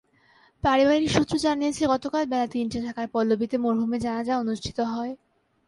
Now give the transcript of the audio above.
পারিবারিক সূত্র জানিয়েছে, গতকাল বেলা তিনটায় ঢাকার পল্লবীতে মরহুমের জানাজা অনুষ্ঠিত হয়।